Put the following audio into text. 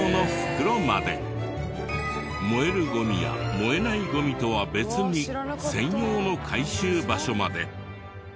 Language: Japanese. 燃えるゴミや燃えないゴミとは別に専用の回収場所まで。